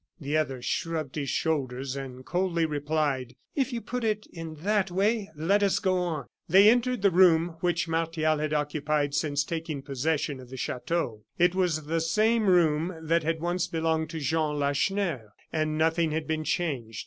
The other shrugged his shoulders, and coldly replied: "If you put it in that way, let us go on." They entered the room which Martial had occupied since taking possession of the chateau. It was the same room that had once belonged to Jean Lacheneur; and nothing had been changed.